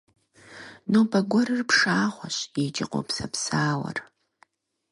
Нобэ гуэрыр пшагъуэщ икӏи къопсэпсауэр.